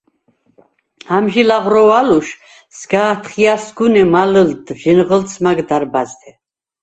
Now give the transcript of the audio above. ამჟი ლაღროუ̂ა̄̈ლოშ სგ’ა̄თხჲა̄̈სგუ̂ნე მა̄ლჷლდდ ჟინღჷლდს მა̈გ დარბა̈ზთე.